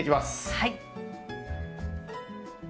はい。